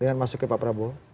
dengan masuknya pak prabowo